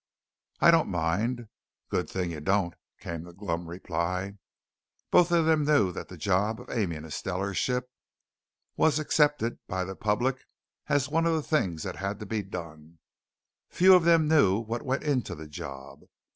"I don't mind." "Good thing you don't," came the glum reply. Both of them knew that the job of aiming a stellar ship was accepted by the public as one of the things that had to be done; few of them knew what went into the job.